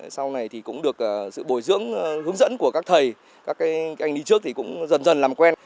sau này thì cũng được sự bồi dưỡng hướng dẫn của các thầy các anh đi trước thì cũng dần dần làm quen